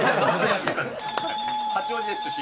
八王子出身。